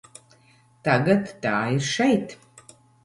Tagad tā ir šeit.